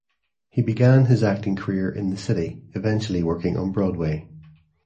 He began his acting career in the city, eventually working on Broadway.